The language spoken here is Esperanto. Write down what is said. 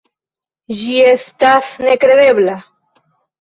Ĝi estas nekredebla.